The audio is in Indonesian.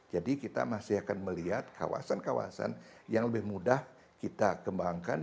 jadi kita masih akan melihat kawasan kawasan yang lebih mudah kita kembangkan